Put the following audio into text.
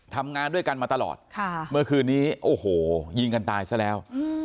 ทำงานด้วยกันมาตลอดเมื่อคืนนี้โอ้โหยิงกันตายซะแล้ว